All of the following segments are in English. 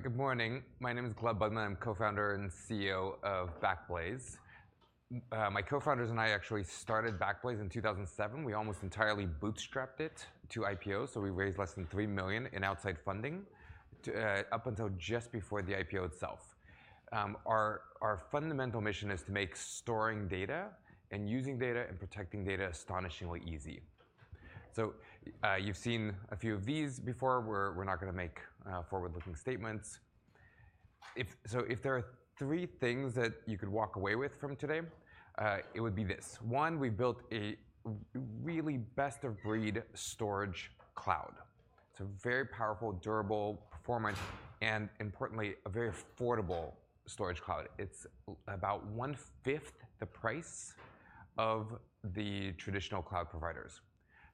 Good morning. My name is Gleb Budman. I'm co-founder and CEO of Backblaze. My co-founders and I actually started Backblaze in 2007. We almost entirely bootstrapped it to IPO, so we raised less than $3 million in outside funding, up until just before the IPO itself. Our fundamental mission is to make storing data and using data and protecting data astonishingly easy. So you've seen a few of these before. We're not going to make forward-looking statements. So if there are three things that you could walk away with from today, it would be this. One, we built a really best-of-breed storage cloud. It's a very powerful, durable, performance, and importantly, a very affordable storage cloud. It's about one-fifth the price of the traditional cloud providers.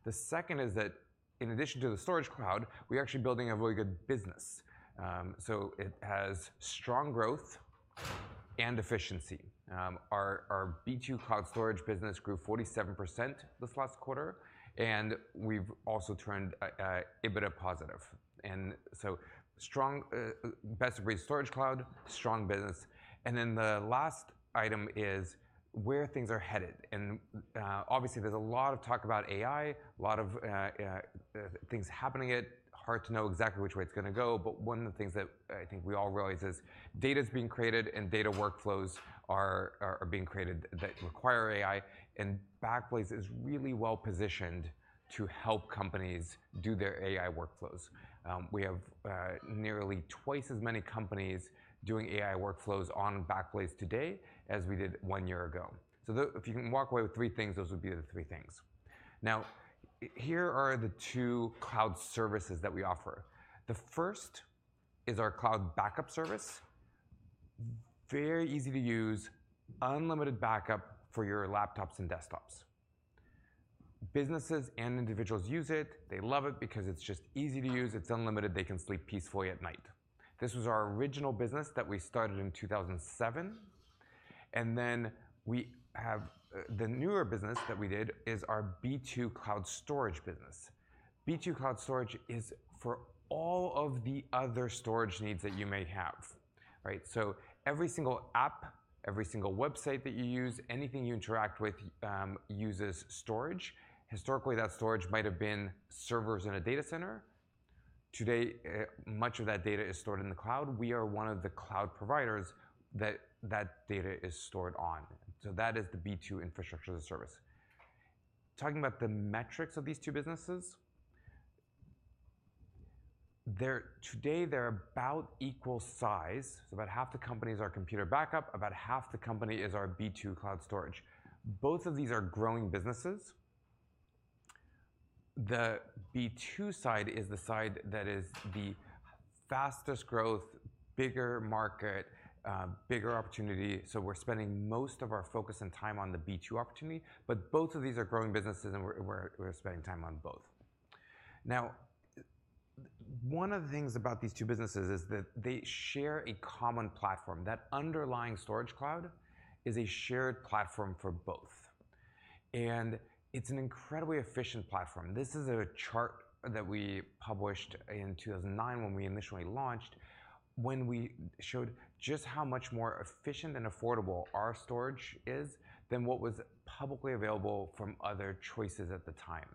The second is that, in addition to the storage cloud, we're actually building a really good business. So it has strong growth and efficiency. Our B2 Cloud Storage business grew 47% this last quarter, and we've also turned EBITDA positive. So strong best-of-breed storage cloud, strong business. Then the last item is where things are headed. Obviously, there's a lot of talk about AI, a lot of things happening at it, hard to know exactly which way it's going to go. But one of the things that I think we all realize is data's being created, and data workflows are being created that require AI. Backblaze is really well positioned to help companies do their AI workflows. We have nearly twice as many companies doing AI workflows on Backblaze today as we did one year ago. So if you can walk away with three things, those would be the three things. Now, here are the two cloud services that we offer. The first is our cloud backup service. Very easy to use, unlimited backup for your laptops and desktops. Businesses and individuals use it. They love it because it's just easy to use. It's unlimited. They can sleep peacefully at night. This was our original business that we started in 2007. Then the newer business that we did is our B2 Cloud Storage business. B2 Cloud Storage is for all of the other storage needs that you may have, right? So every single app, every single website that you use, anything you interact with uses storage. Historically, that storage might have been servers in a data center. Today, much of that data is stored in the cloud. We are one of the cloud providers that data is stored on. So that is the B2 infrastructure as a service. Talking about the metrics of these two businesses, today they're about equal size. So about half the companies are Computer Backup. About half the company is our B2 Cloud Storage. Both of these are growing businesses. The B2 side is the side that is the fastest growth, bigger market, bigger opportunity. So we're spending most of our focus and time on the B2 opportunity. But both of these are growing businesses, and we're spending time on both. Now, one of the things about these two businesses is that they share a common platform. That underlying storage cloud is a shared platform for both. And it's an incredibly efficient platform. This is a chart that we published in 2009 when we initially launched, when we showed just how much more efficient and affordable our storage is than what was publicly available from other choices at the time.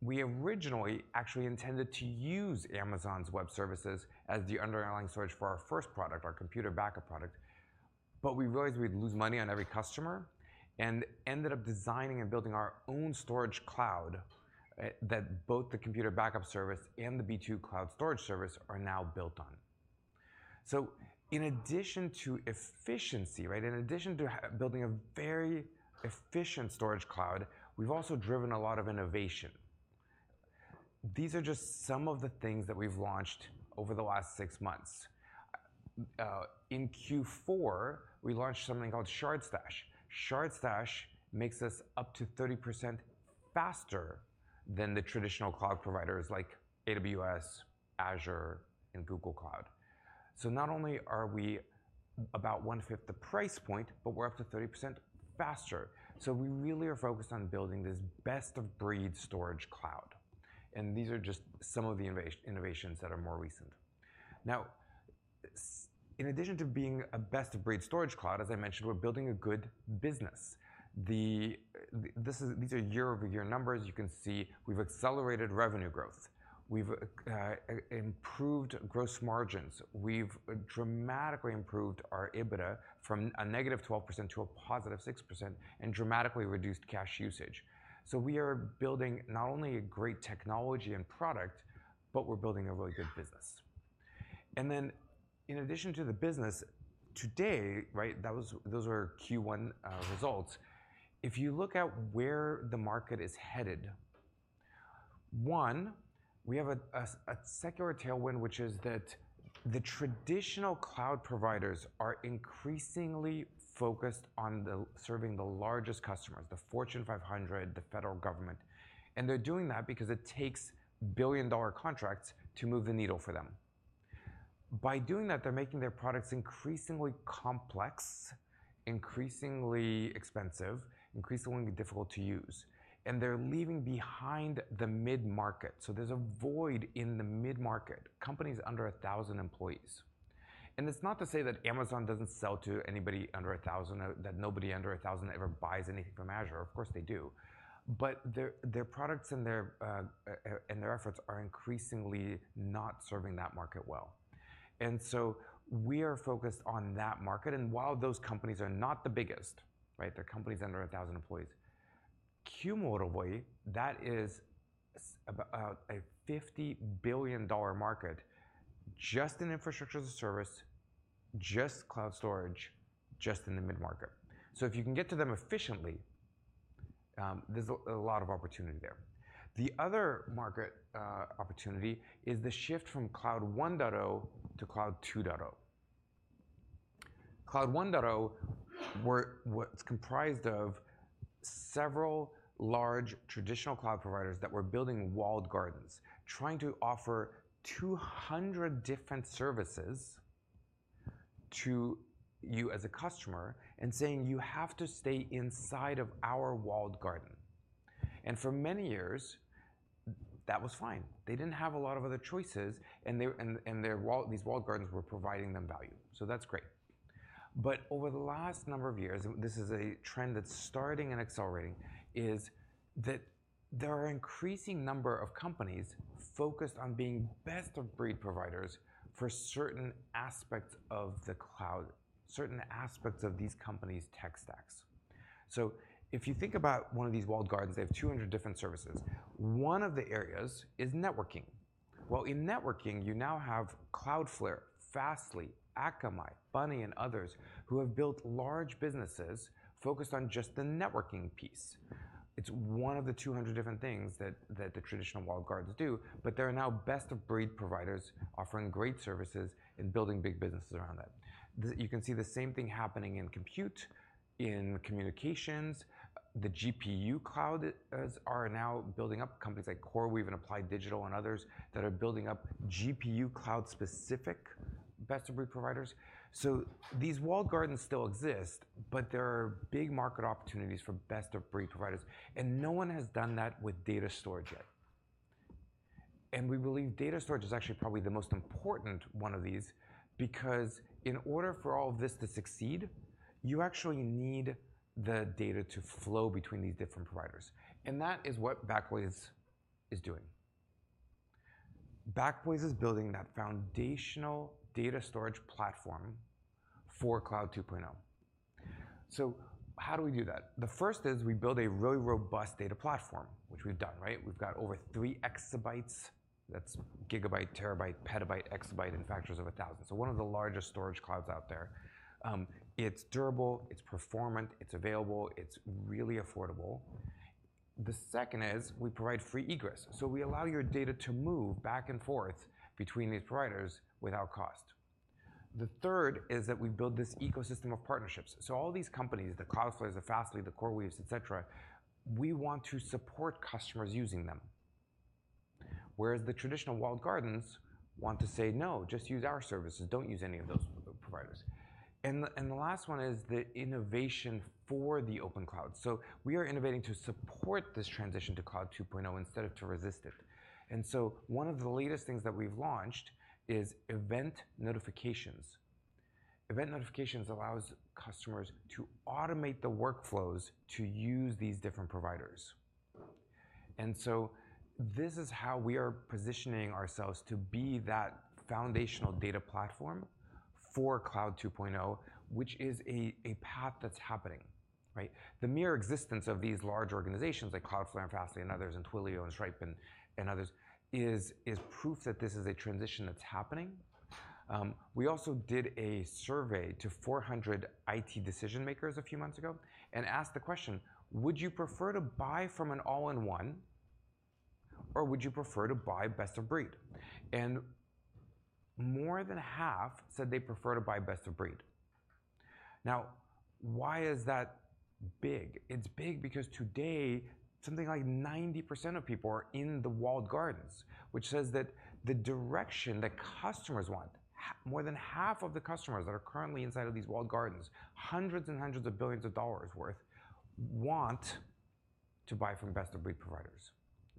We originally actually intended to use Amazon Web Services as the underlying storage for our first product, our Computer Backup product. But we realized we'd lose money on every customer and ended up designing and building our own storage cloud that both the Computer Backup service and the B2 Cloud Storage service are now built on. So in addition to efficiency, right, in addition to building a very efficient storage cloud, we've also driven a lot of innovation. These are just some of the things that we've launched over the last six months. In Q4, we launched something called ShardStash. ShardStash makes us up to 30% faster than the traditional cloud providers like AWS, Azure, and Google Cloud. So not only are we about 1/5 the price point, but we're up to 30% faster. So we really are focused on building this best-of-breed storage cloud. These are just some of the innovations that are more recent. Now, in addition to being a best-of-breed storage cloud, as I mentioned, we're building a good business. These are year-over-year numbers. You can see we've accelerated revenue growth. We've improved gross margins. We've dramatically improved our EBITDA from a negative 12% to a positive 6% and dramatically reduced cash usage. We are building not only a great technology and product, but we're building a really good business. Then in addition to the business, today, right, those were Q1 results. If you look at where the market is headed, one, we have a secular tailwind, which is that the traditional cloud providers are increasingly focused on serving the largest customers, the Fortune 500, the federal government. They're doing that because it takes billion-dollar contracts to move the needle for them. By doing that, they're making their products increasingly complex, increasingly expensive, increasingly difficult to use. And they're leaving behind the mid-market. So there's a void in the mid-market, companies under 1,000 employees. And it's not to say that Amazon doesn't sell to anybody under 1,000, that nobody under 1,000 ever buys anything from Azure. Of course, they do. But their products and their efforts are increasingly not serving that market well. And so we are focused on that market. And while those companies are not the biggest, right, they're companies under 1,000 employees cumulatively that is about a $50 billion market just in infrastructure as a service, just cloud storage just in the mid-market. So if you can get to them efficiently, there's a lot of opportunity there. The other market opportunity is the shift from Cloud 1.0 to Cloud 2.0. Cloud 1.0, it's comprised of several large traditional cloud providers that were building walled gardens, trying to offer 200 different services to you as a customer and saying, "You have to stay inside of our walled garden." For many years, that was fine. They didn't have a lot of other choices, and these walled gardens were providing them value. That's great. Over the last number of years, and this is a trend that's starting and accelerating, is that there are an increasing number of companies focused on being best-of-breed providers for certain aspects of the cloud, certain aspects of these companies' tech stacks. If you think about one of these walled gardens, they have 200 different services. One of the areas is networking. In networking, you now have Cloudflare, Fastly, Akamai, Bunny, and others who have built large businesses focused on just the networking piece. It's one of the 200 different things that the traditional walled gardens do. But they're now best-of-breed providers offering great services and building big businesses around that. You can see the same thing happening in compute, in communications. The GPU clouds are now building up. Companies like CoreWeave and Applied Digital and others that are building up GPU cloud-specific best-of-breed providers. These walled gardens still exist, but there are big market opportunities for best-of-breed providers. No one has done that with data storage yet. We believe data storage is actually probably the most important one of these because in order for all of this to succeed, you actually need the data to flow between these different providers. That is what Backblaze is doing. Backblaze is building that foundational data storage platform for Cloud 2.0. So how do we do that? The first is we build a really robust data platform, which we've done, right? We've got over 3 exabytes. That's gigabyte, terabyte, petabyte, exabyte, in factors of 1,000. So one of the largest storage clouds out there. It's durable. It's performant. It's available. It's really affordable. The second is we provide free egress. So we allow your data to move back and forth between these providers without cost. The third is that we build this ecosystem of partnerships. So all these companies, the Cloudflares, the Fastly, the CoreWeaves, et cetera, we want to support customers using them. Whereas the traditional walled gardens want to say, "No, just use our services. Don't use any of those providers." And the last one is the innovation for the open cloud. So we are innovating to support this transition to Cloud 2.0 instead of to resist it. One of the latest things that we've launched is Event Notifications. Event Notifications allow customers to automate the workflows to use these different providers. This is how we are positioning ourselves to be that foundational data platform for Cloud 2.0, which is a path that's happening, right? The mere existence of these large organizations like Cloudflare and Fastly and others and Twilio and Stripe and others is proof that this is a transition that's happening. We also did a survey to 400 IT decision makers a few months ago and asked the question, "Would you prefer to buy from an all-in-one, or would you prefer to buy best-of-breed?" More than half said they prefer to buy best-of-breed. Now, why is that big? It's big because today, something like 90% of people are in the walled gardens, which says that the direction that customers want, more than half of the customers that are currently inside of these walled gardens, hundreds and hundreds of billions of dollars' worth, want to buy from best-of-breed providers.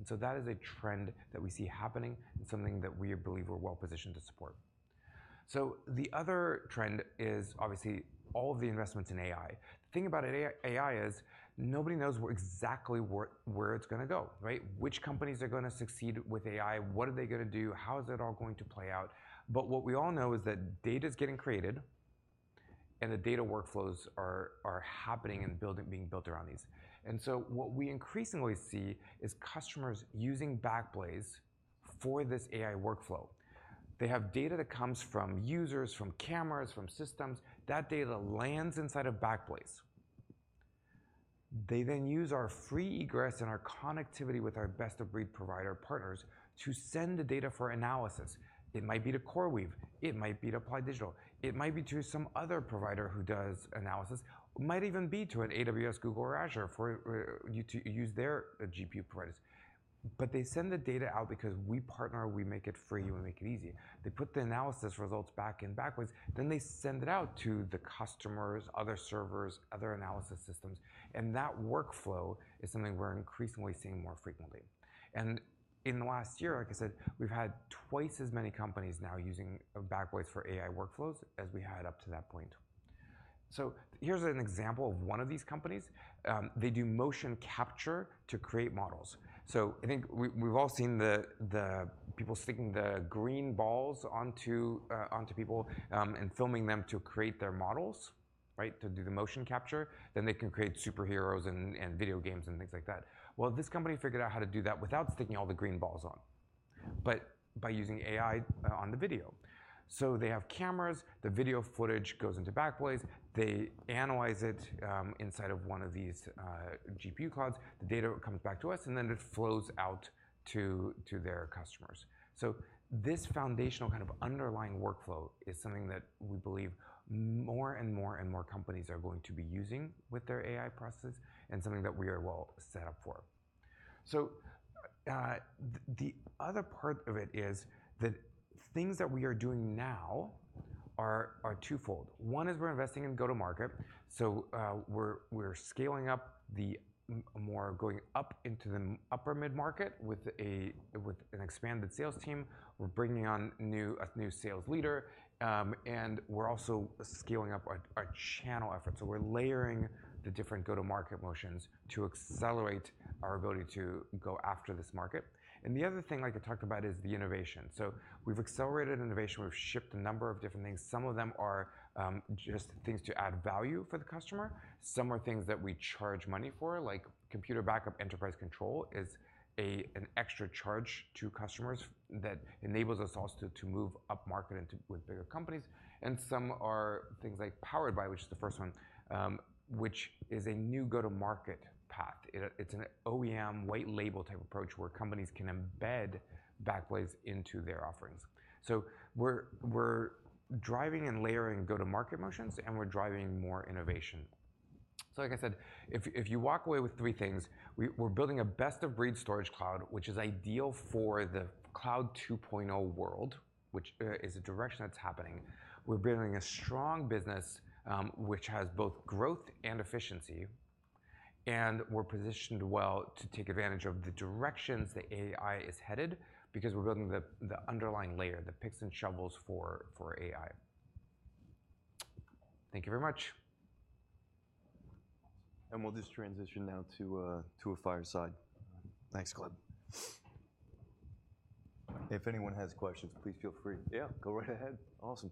So that is a trend that we see happening and something that we believe we're well positioned to support. The other trend is obviously all of the investments in AI. The thing about AI is nobody knows exactly where it's going to go, right? Which companies are going to succeed with AI? What are they going to do? How is it all going to play out? But what we all know is that data's getting created, and the data workflows are happening and being built around these. And so what we increasingly see is customers using Backblaze for this AI workflow. They have data that comes from users, from cameras, from systems. That data lands inside of Backblaze. They then use our free egress and our connectivity with our best-of-breed provider partners to send the data for analysis. It might be to CoreWeave. It might be to Applied Digital. It might be to some other provider who does analysis. It might even be to an AWS, Google, or Azure for you to use their GPU providers. But they send the data out because we partner, we make it free, we make it easy. They put the analysis results back in Backblaze. Then they send it out to the customers, other servers, other analysis systems. And that workflow is something we're increasingly seeing more frequently. In the last year, like I said, we've had twice as many companies now using Backblaze for AI workflows as we had up to that point. So here's an example of one of these companies. They do motion capture to create models. So I think we've all seen the people sticking the green balls onto people and filming them to create their models, right, to do the motion capture. Then they can create superheroes and video games and things like that. Well, this company figured out how to do that without sticking all the green balls on, but by using AI on the video. So they have cameras. The video footage goes into Backblaze. They analyze it inside of one of these GPU clouds. The data comes back to us, and then it flows out to their customers. So this foundational kind of underlying workflow is something that we believe more and more and more companies are going to be using with their AI processes and something that we are well set up for. So the other part of it is that things that we are doing now are twofold. One is we're investing in go-to-market. So we're scaling up the more going up into the upper mid-market with an expanded sales team. We're bringing on a new sales leader. And we're also scaling up our channel effort. So we're layering the different go-to-market motions to accelerate our ability to go after this market. And the other thing, like I talked about, is the innovation. So we've accelerated innovation. We've shipped a number of different things. Some of them are just things to add value for the customer. Some are things that we charge money for, like Computer Backup Enterprise Control is an extra charge to customers that enables us also to move up market with bigger companies. And some are things like Powered By, which is the first one, which is a new go-to-market path. It's an OEM white-label type approach where companies can embed Backblaze into their offerings. So we're driving and layering go-to-market motions, and we're driving more innovation. So like I said, if you walk away with three things, we're building a best-of-breed storage cloud, which is ideal for the Cloud 2.0 world, which is a direction that's happening. We're building a strong business, which has both growth and efficiency. And we're positioned well to take advantage of the directions that AI is headed because we're building the underlying layer, the picks and shovels for AI. Thank you very much. We'll just transition now to a fireside. Thanks, Gleb. If anyone has questions, please feel free. Yeah, go right ahead. Awesome.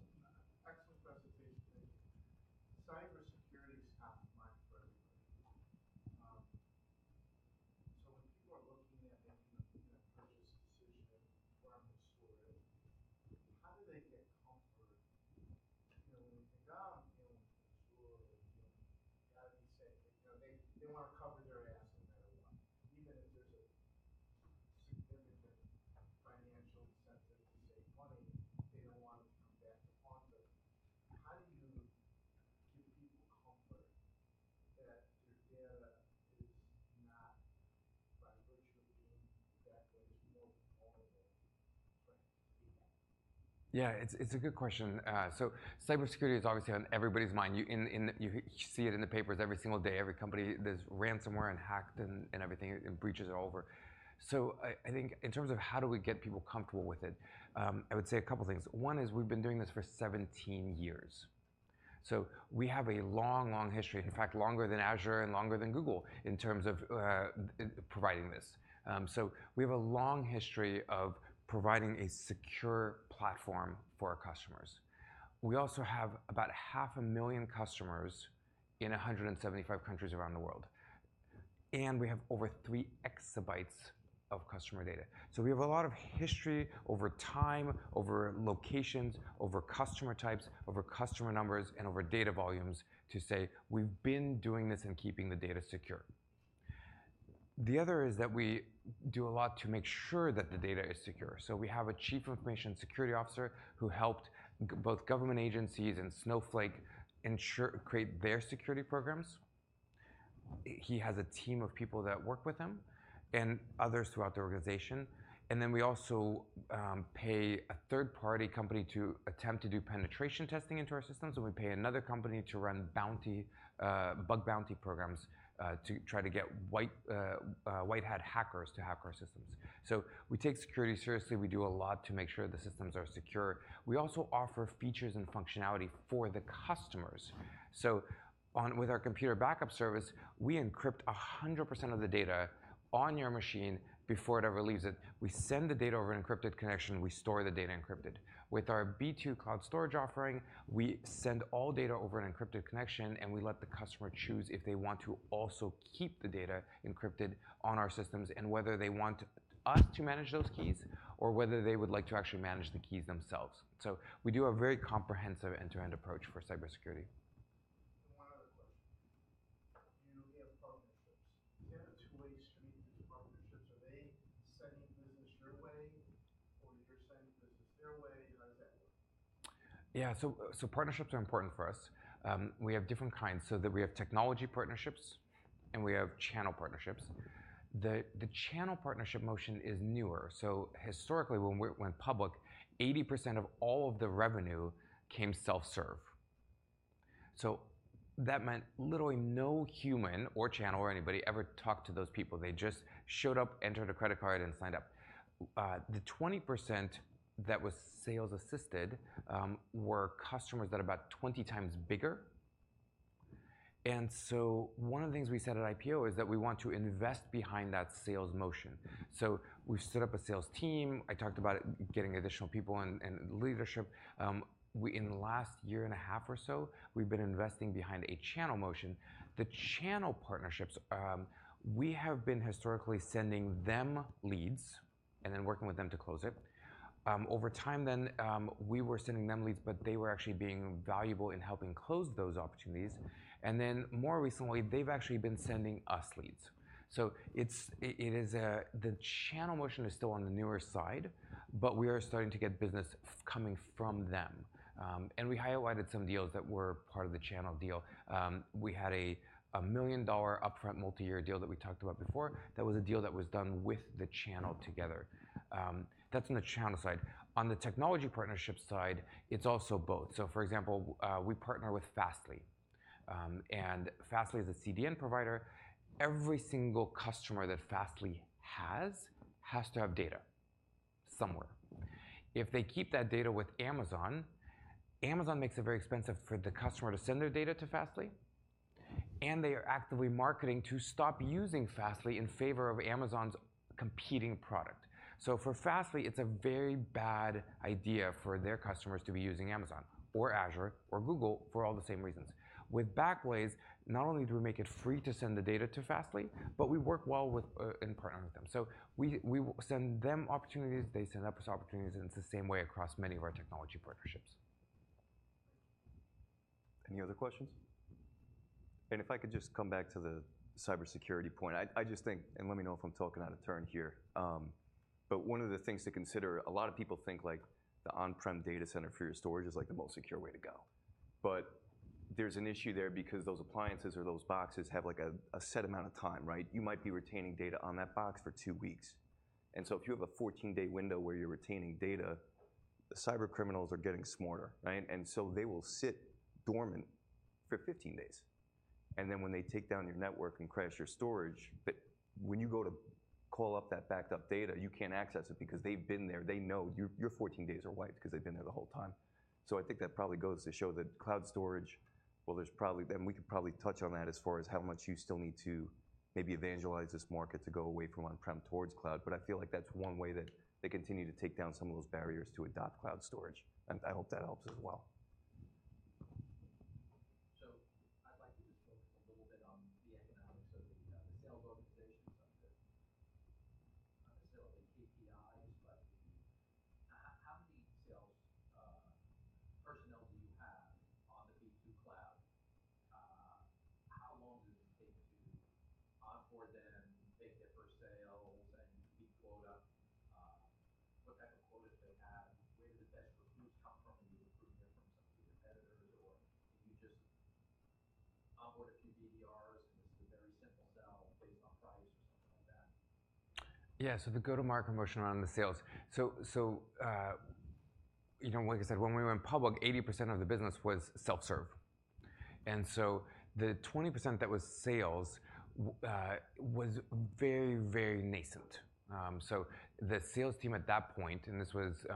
platform for our customers. We also have about 500,000 customers in 175 countries around the world. And we have over 3 exabytes of customer data. So we have a lot of history over time, over locations, over customer types, over customer numbers, and over data volumes to say, "We've been doing this and keeping the data secure." The other is that we do a lot to make sure that the data is secure. We have a Chief Information Security Officer who helped both government agencies and Snowflake create their security programs. He has a team of people that work with him and others throughout the organization. We also pay a third-party company to attempt to do penetration testing into our systems. We pay another company to run bug bounty programs to try to get white-hat hackers to hack our systems. We take security seriously. We do a lot to make sure the systems are secure. We also offer features and functionality for the customers. So with our Computer Backup service, we encrypt 100% of the data on your machine before it ever leaves it. We send the data over an encrypted connection. We store the data encrypted. With our B2 Cloud Storage offering, we send all data over an encrypted connection, and we let the customer choose if they want to also keep the data encrypted on our systems and whether they want us to manage those keys or whether they would like to actually manage the keys themselves. So we do a very comprehensive end-to-end approach for cybersecurity. One other question. Do you have partnerships? Is that a two-way street with partnerships? Are they sending business your way, or you're sending business their way? How does that work? Yeah, so partnerships are important for us. We have different kinds. So we have technology partnerships, and we have channel partnerships. The channel partnership motion is newer. So historically, when we went public, 80% of all of the revenue came self-serve. So that meant literally no human or channel or anybody ever talked to those people. They just showed up, entered a credit card, and signed up. The 20% that was sales-assisted were customers that are about 20 times bigger. And so one of the things we said at IPO is that we want to invest behind that sales motion. So we've stood up a sales team. I talked about getting additional people in leadership. In the last year and a half or so, we've been investing behind a channel motion. The channel partnerships, we have been historically sending them leads and then working with them to close it. Over time then, we were sending them leads, but they were actually being valuable in helping close those opportunities. And then more recently, they've actually been sending us leads. So the channel motion is still on the newer side, but we are starting to get business coming from them. And we highlighted some deals that were part of the channel deal. We had a $1 million upfront multi-year deal that we talked about before. That was a deal that was done with the channel together. That's on the channel side. On the technology partnership side, it's also both. So for example, we partner with Fastly. And Fastly is a CDN provider. Every single customer that Fastly has has to have data somewhere. If they keep that data with Amazon, Amazon makes it very expensive for the customer to send their data to Fastly. They are actively marketing to stop using Fastly in favor of Amazon's competing product. So for Fastly, it's a very bad idea for their customers to be using Amazon or Azure or Google for all the same reasons. With Backblaze, not only do we make it free to send the data to Fastly, but we work well in partnering with them. So we send them opportunities. They send us opportunities. And it's the same way across many of our technology partnerships. Any other questions? And if I could just come back to the cybersecurity point, I just think, and let me know if I'm talking out of turn here, but one of the things to consider, a lot of people think, like, the on-prem data center for your storage is, like, the most secure way to go. But there's an issue there because those appliances or those boxes have, like, a set amount of time, right? You might be retaining data on that box for two weeks. And so if you have a 14-day window where you're retaining data, the cybercriminals are getting smarter, right? And so they will sit dormant for 15 days. And then when they take down your network and crash your storage, when you go to call up that backed up data, you can't access it because they've been there. They know. Your 14 days are wiped because they've been there the whole time. So I think that probably goes to show that cloud storage, well, there's probably then we could probably touch on that as far as how much you still need to maybe evangelize this market to go away from on-prem towards cloud. But I feel like that's one way that they continue to take down some of those barriers to adopt cloud storage. And I hope that helps as well. So I'd like you to focus a little bit on the economics of the sales organization side of it. Not necessarily the KPIs, but how many sales personnel do you have on the B2 Cloud? How long does it take to onboard them, make their first sales, and be quoted? What type of quotas do they have? Where do the best recruits come from? Are you recruiting them from some of your competitors, or can you just onboard a few BDRs, and it's a very simple sell based on price or something like that? Yeah, so the go-to-market motion around the sales. So, you know, like I said, when we went public, 80% of the business was self-serve. And so the 20% that was sales was very, very nascent. So the sales team at that point, and this was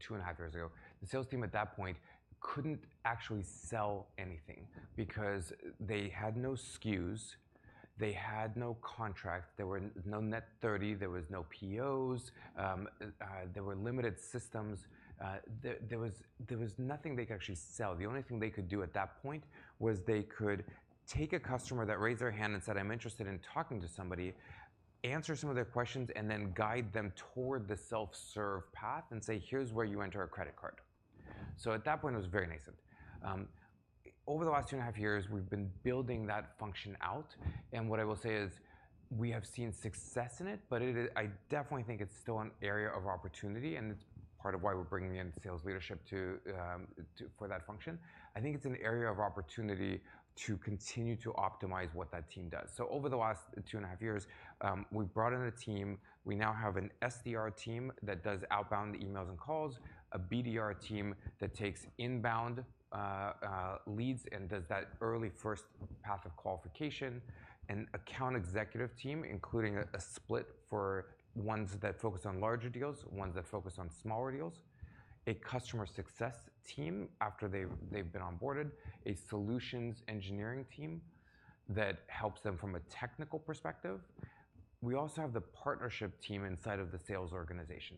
2.5 years ago, the sales team at that point couldn't actually sell anything because they had no SKUs. They had no contracts. There were no Net 30. There were no POs. There were limited systems. There was nothing they could actually sell. The only thing they could do at that point was they could take a customer that raised their hand and said, "I'm interested in talking to somebody," answer some of their questions, and then guide them toward the self-serve path and say, "Here's where you enter a credit card." So at that point, it was very nascent. Over the last 2.5 years, we've been building that function out. And what I will say is we have seen success in it, but I definitely think it's still an area of opportunity. And it's part of why we're bringing in sales leadership for that function. I think it's an area of opportunity to continue to optimize what that team does. So over the last 2.5 years, we've brought in a team. We now have an SDR team that does outbound emails and calls, a BDR team that takes inbound leads and does that early first path of qualification, an account executive team, including a split for ones that focus on larger deals, ones that focus on smaller deals, a customer success team after they've been onboarded, a solutions engineering team that helps them from a technical perspective. We also have the partnership team inside of the sales organization.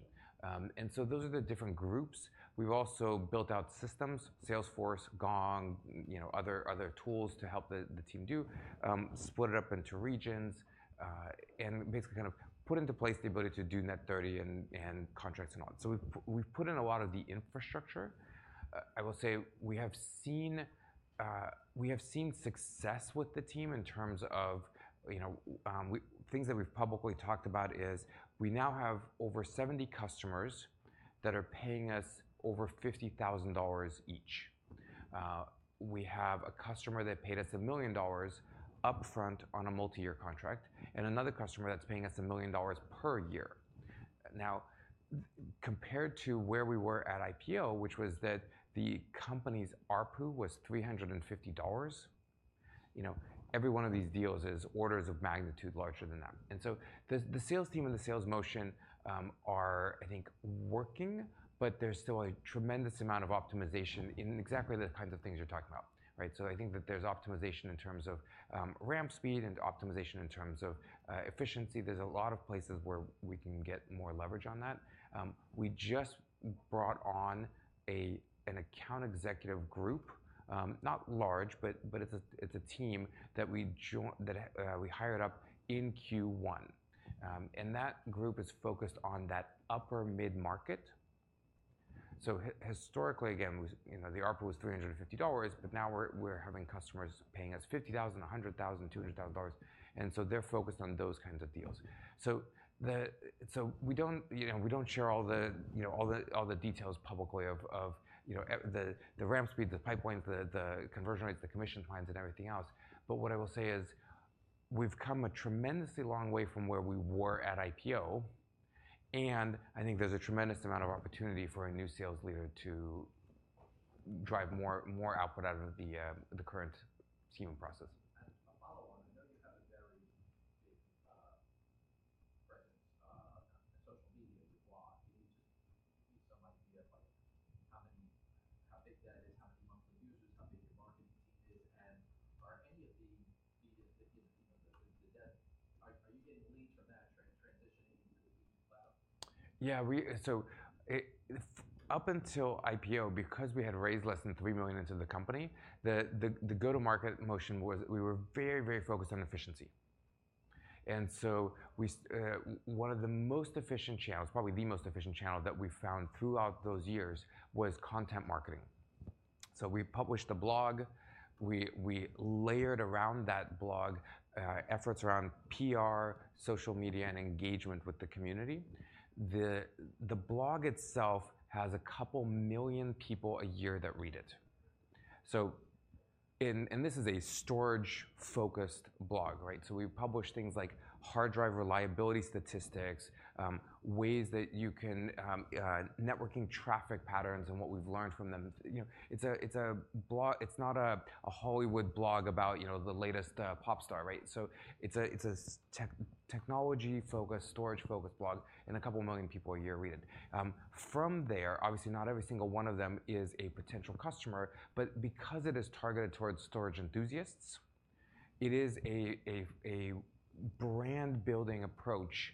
And so those are the different groups. We've also built out systems, Salesforce, Gong, you know, other tools to help the team do, split it up into regions, and basically kind of put into place the ability to do Net30 and contracts and all. So we've put in a lot of the infrastructure. I will say we have seen success with the team in terms of, you know, things that we've publicly talked about is we now have over 70 customers that are paying us over $50,000 each. We have a customer that paid us $1 million upfront on a multi-year contract and another customer that's paying us $1 million per year. Now, compared to where we were at IPO, which was that the company's ARPU was $350, you know, every one of these deals is orders of magnitude larger than that. And so the sales team and the sales motion are, I think, working, but there's still a tremendous amount of optimization in exactly the kinds of things you're talking about, right? So I think that there's optimization in terms of ramp speed and optimization in terms of efficiency. There's a lot of places where we can get more leverage on that. We just brought on an account executive group, not large, but it's a team that we hired up in Q1. And that group is focused on that upper mid-market. So historically, again, you know, the ARPU was $350, but now we're having customers paying us $50,000, $100,000, $200,000. And so they're focused on those kinds of deals. So we don't, you know, we don't share all the details publicly of, you know, the ramp speed, the pipelines, the conversion rates, the commission plans, and everything else. But what I will say is we've come a tremendously long way from where we were at IPO. And I think there's a tremendous amount of opportunity for a new sales leader to drive more output out of the current scheme and process. A follow-on. I know you have a very big presence on social media with blog. Can you just give me some idea of, like, how big that is, how many monthly users, how big your marketing team is? And are any of the, you know, Are you getting leads from that transitioning into the B2 Cloud? Yeah, so up until IPO, because we had raised less than $3 million into the company, the go-to-market motion was we were very, very focused on efficiency. So one of the most efficient channels, probably the most efficient channel that we found throughout those years, was content marketing. We published a blog. We layered around that blog efforts around PR, social media, and engagement with the community. The blog itself has 2 million people a year that read it. This is a storage-focused blog, right? So we publish things like hard drive reliability statistics, ways that you can networking traffic patterns and what we've learned from them. You know, it's a blog. It's not a Hollywood blog about, you know, the latest pop star, right? So it's a technology-focused, storage-focused blog. 2 million people a year read it. From there, obviously, not every single one of them is a potential customer. But because it is targeted towards storage enthusiasts, it is a brand-building approach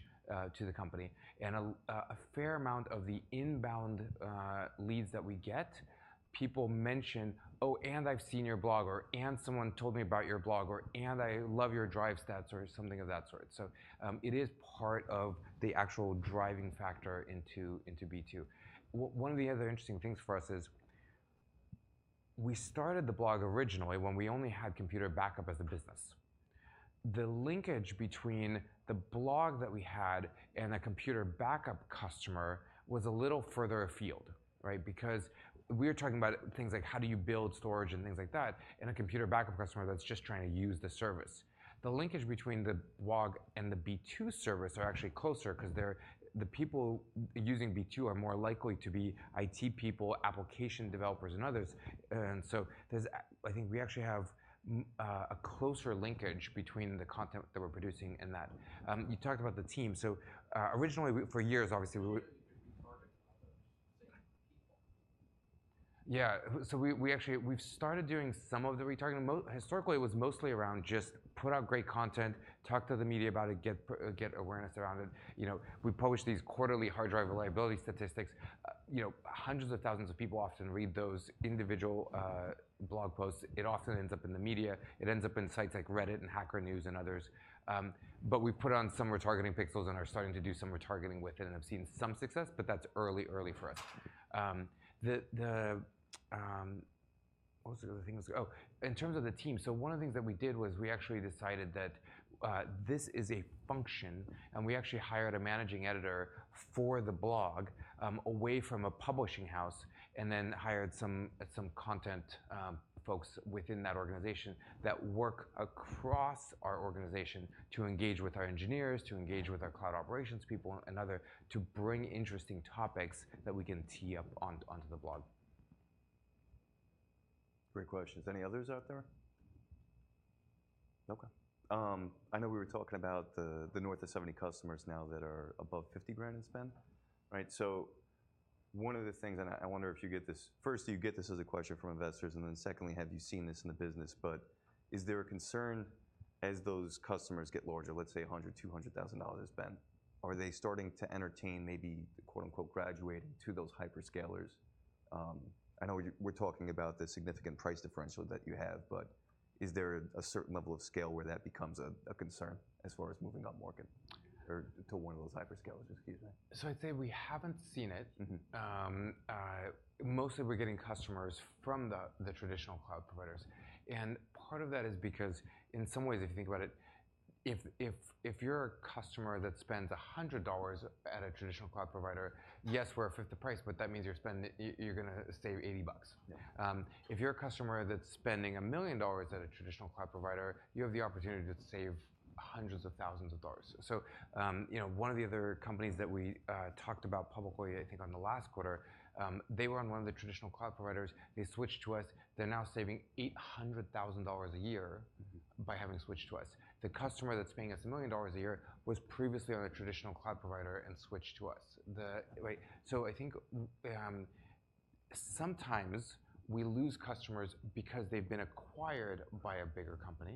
to the company. And a fair amount of the inbound leads that we get, people mention, "Oh, and I've seen your blog," or, "And someone told me about your blog," or, "And I love your drive stats," or something of that sort. So it is part of the actual driving factor into B2. One of the other interesting things for us is we started the blog originally when we only had Computer Backup as a business. The linkage between the blog that we had and a Computer Backup customer was a little further afield, right? Because we were talking about things like how do you build storage and things like that and a Computer Backup customer that's just trying to use the service. The linkage between the blog and the B2 service are actually closer because the people using B2 are more likely to be IT people, application developers, and others. And so I think we actually have a closer linkage between the content that we're producing and that. You talked about the team. So originally, for years, obviously. You're retargeting about the same people? Yeah, so we've actually started doing some of the retargeting. Historically, it was mostly around just put out great content, talk to the media about it, get awareness around it. You know, we publish these quarterly hard drive reliability statistics. You know, hundreds of thousands of people often read those individual blog posts. It often ends up in the media. It ends up in sites like Reddit and Hacker News and others. But we've put on some retargeting pixels and are starting to do some retargeting with it. And I've seen some success, but that's early, early for us. What was the other thing? Oh, in terms of the team, so one of the things that we did was we actually decided that this is a function. We actually hired a managing editor for the blog away from a publishing house, and then hired some content folks within that organization that work across our organization to engage with our engineers, to engage with our cloud operations people, and others to bring interesting topics that we can tee up onto the blog. Great questions. Any others out there? OK. I know we were talking about the north of 70 customers now that are above $50,000 in spend, right? So one of the things and I wonder if you get this first, do you get this as a question from investors? And then secondly, have you seen this in the business? But is there a concern, as those customers get larger, let's say $100,000, $200,000 spend, are they starting to entertain maybe the "graduating" to those hyperscalers? I know we're talking about the significant price differential that you have. But is there a certain level of scale where that becomes a concern as far as moving on market or to one of those hyperscalers? Excuse me. So I'd say we haven't seen it. Mostly, we're getting customers from the traditional cloud providers. And part of that is because, in some ways, if you think about it, if you're a customer that spends $100 at a traditional cloud provider, yes, we're a fifth the price. But that means you're going to save $80 bucks. If you're a customer that's spending $1 million at a traditional cloud provider, you have the opportunity to save hundreds of thousands of dollars. So, you know, one of the other companies that we talked about publicly, I think, on the last quarter, they were on one of the traditional cloud providers. They switched to us. They're now saving $800,000 a year by having switched to us. The customer that's paying us $1 million a year was previously on a traditional cloud provider and switched to us. Right? I think sometimes we lose customers because they've been acquired by a bigger company.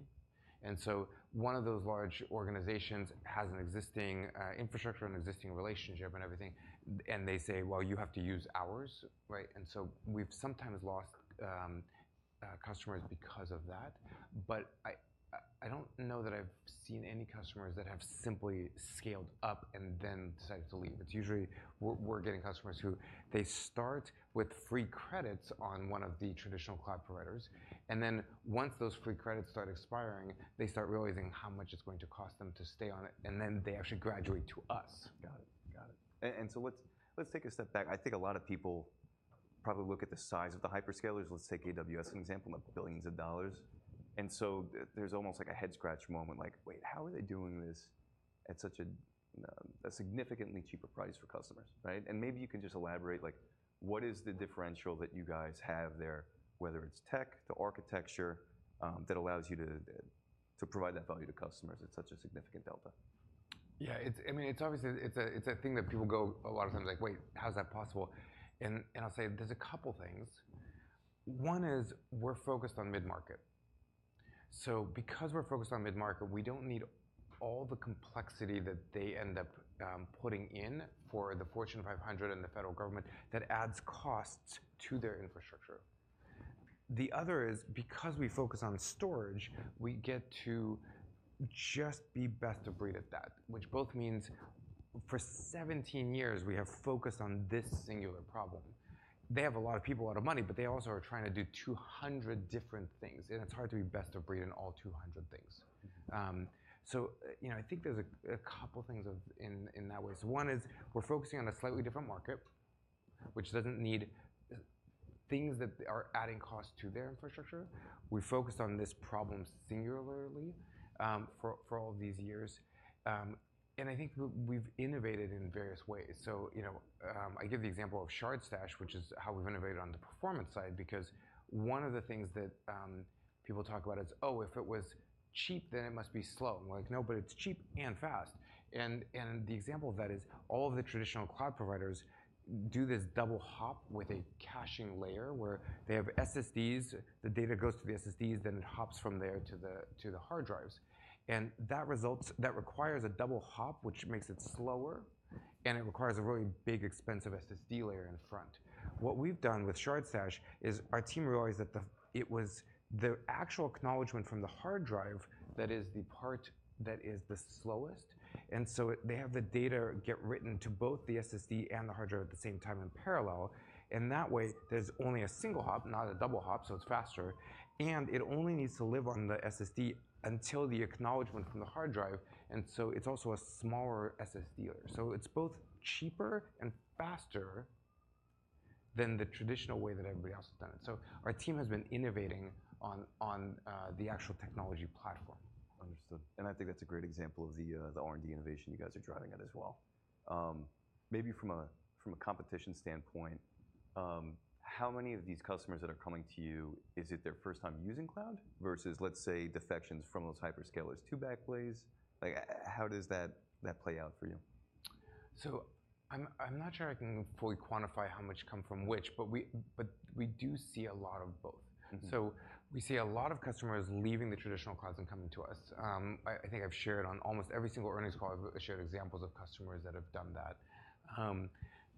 So one of those large organizations has an existing infrastructure and existing relationship and everything. And they say, well, you have to use ours, right? So we've sometimes lost customers because of that. But I don't know that I've seen any customers that have simply scaled up and then decided to leave. It's usually we're getting customers who they start with free credits on one of the traditional cloud providers. Then once those free credits start expiring, they start realizing how much it's going to cost them to stay on it. Then they actually graduate to us. Got it. Got it. Let's take a step back. I think a lot of people probably look at the size of the hyperscalers. Let's take AWS as an example, not billions of dollars. There's almost like a head-scratch moment, like, wait, how are they doing this at such a significantly cheaper price for customers, right? And maybe you can just elaborate, like, what is the differential that you guys have there, whether it's tech to architecture, that allows you to provide that value to customers at such a significant delta? Yeah, I mean, it's obviously it's a thing that people go a lot of times like, wait, how is that possible? And I'll say there's a couple things. One is we're focused on mid-market. So because we're focused on mid-market, we don't need all the complexity that they end up putting in for the Fortune 500 and the federal government that adds costs to their infrastructure. The other is because we focus on storage, we get to just be best of breed at that, which both means for 17 years, we have focused on this singular problem. They have a lot of people, a lot of money, but they also are trying to do 200 different things. And it's hard to be best of breed in all 200 things. So, you know, I think there's a couple things in that way. So one is we're focusing on a slightly different market, which doesn't need things that are adding costs to their infrastructure. We've focused on this problem singularly for all of these years. I think we've innovated in various ways. So, you know, I give the example of ShardStash, which is how we've innovated on the performance side. Because one of the things that people talk about is, oh, if it was cheap, then it must be slow. And we're like, no, but it's cheap and fast. And the example of that is all of the traditional cloud providers do this double hop with a caching layer where they have SSDs. The data goes to the SSDs. Then it hops from there to the hard drives. And that requires a double hop, which makes it slower. And it requires a really big, expensive SSD layer in front. What we've done with ShardStash is our team realized that it was the actual acknowledgment from the hard drive that is the part that is the slowest. They have the data get written to both the SSD and the hard drive at the same time in parallel. That way, there's only a single hop, not a double hop, so it's faster. It only needs to live on the SSD until the acknowledgment from the hard drive. It's also a smaller SSD layer. It's both cheaper and faster than the traditional way that everybody else has done it. Our team has been innovating on the actual technology platform. Understood. And I think that's a great example of the R&D innovation you guys are driving at as well. Maybe from a competition standpoint, how many of these customers that are coming to you, is it their first time using cloud versus, let's say, defections from those hyperscalers to Backblaze? Like, how does that play out for you? So I'm not sure I can fully quantify how much come from which. But we do see a lot of both. So we see a lot of customers leaving the traditional clouds and coming to us. I think I've shared on almost every single earnings call, I've shared examples of customers that have done that.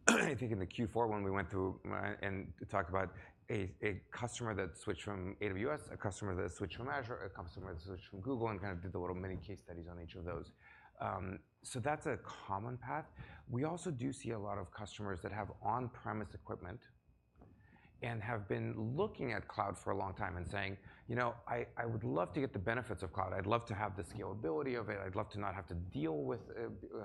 I think in the Q4, when we went through and talked about a customer that switched from AWS, a customer that switched from Azure, a customer that switched from Google, and kind of did the little mini case studies on each of those. So that's a common path. We also do see a lot of customers that have on-premise equipment and have been looking at cloud for a long time and saying, you know, I would love to get the benefits of cloud. I'd love to have the scalability of it. I'd love to not have to deal with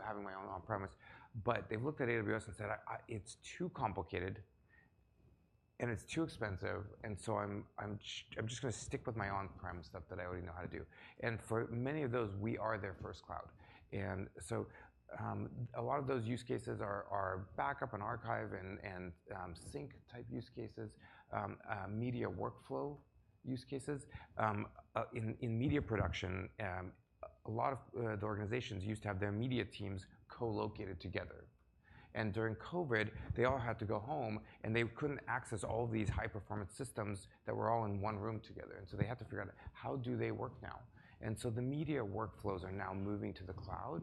having my own on-premise. But they've looked at AWS and said, it's too complicated. And it's too expensive. And so I'm just going to stick with my on-prem stuff that I already know how to do. And for many of those, we are their first cloud. And so a lot of those use cases are backup and archive and sync-type use cases, media workflow use cases. In media production, a lot of the organizations used to have their media teams co-located together. And during COVID, they all had to go home. And they couldn't access all of these high-performance systems that were all in one room together. And so they had to figure out, how do they work now? And so the media workflows are now moving to the cloud.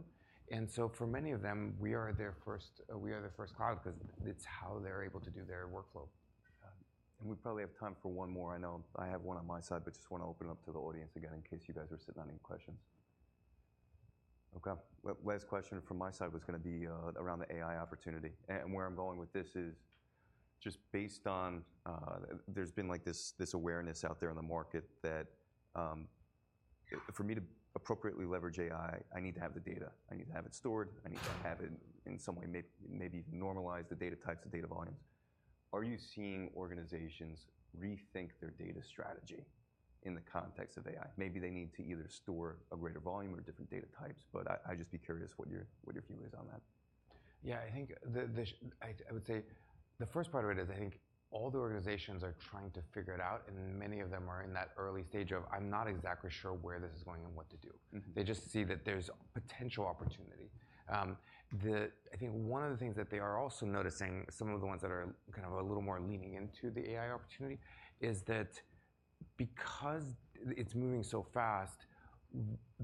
For many of them, we are their first cloud because it's how they're able to do their workflow. Got it. And we probably have time for one more. I know I have one on my side, but just want to open it up to the audience again in case you guys are sitting on any questions. OK. Last question from my side was going to be around the AI opportunity. And where I'm going with this is just based on there's been, like, this awareness out there in the market that for me to appropriately leverage AI, I need to have the data. I need to have it stored. I need to have it, in some way, maybe even normalize the data types, the data volumes. Are you seeing organizations rethink their data strategy in the context of AI? Maybe they need to either store a greater volume or different data types. But I'd just be curious what your view is on that. Yeah, I think I would say the first part of it is I think all the organizations are trying to figure it out. And many of them are in that early stage of, I'm not exactly sure where this is going and what to do. They just see that there's potential opportunity. I think one of the things that they are also noticing, some of the ones that are kind of a little more leaning into the AI opportunity, is that because it's moving so fast,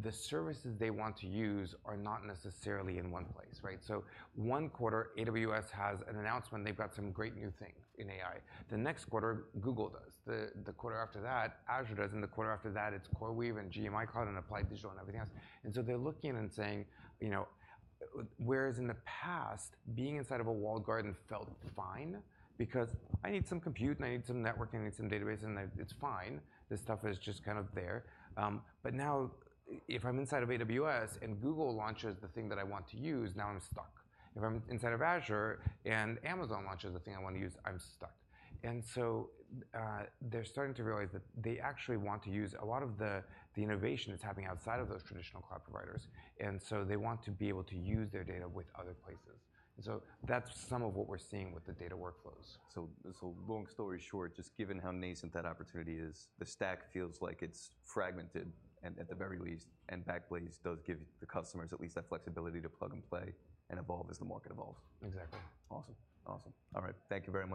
the services they want to use are not necessarily in one place, right? So one quarter, AWS has an announcement. They've got some great new thing in AI. The next quarter, Google does. The quarter after that, Azure does. And the quarter after that, it's CoreWeave and GMI Cloud and Applied Digital and everything else. They're looking and saying, you know, whereas in the past, being inside of a walled garden felt fine because I need some compute. I need some network. I need some database. It's fine. This stuff is just kind of there. But now, if I'm inside of AWS and Google launches the thing that I want to use, now I'm stuck. If I'm inside of Azure and Amazon launches the thing I want to use, I'm stuck. They're starting to realize that they actually want to use a lot of the innovation that's happening outside of those traditional cloud providers. They want to be able to use their data with other places. That's some of what we're seeing with the data workflows. So long story short, just given how nascent that opportunity is, the stack feels like it's fragmented, at the very least. Backblaze does give the customers at least that flexibility to plug and play and evolve as the market evolves. Exactly. Awesome. Awesome. All right. Thank you very much.